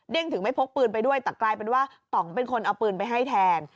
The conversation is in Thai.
ถึงไม่พกปืนไปด้วยแต่กลายเป็นว่าต่องเป็นคนเอาปืนไปให้แทน